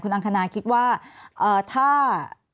อังคณาคิดว่าถ้า